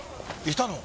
いたの？